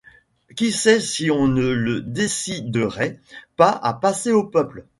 Qui sait si on ne le déciderait pas à passer au peuple?